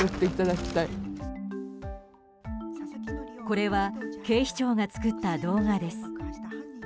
これは警視庁が作った動画です。